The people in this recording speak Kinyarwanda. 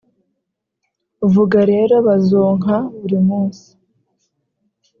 vuga rero bazonka buri munsi